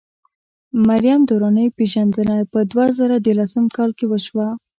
د مریم درانۍ پېژندنه په دوه زره ديارلسم کال کې وشوه.